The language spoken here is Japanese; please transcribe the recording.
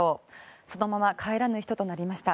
そのまま帰らぬ人となりました。